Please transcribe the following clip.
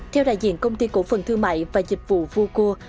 theo đại diện công ty cổ phần thương mại và dịch vụ vua cua